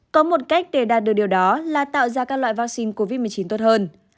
có một cách để đạt được điều đó là tạo ra các loại vaccine covid một mươi chín tốt hơn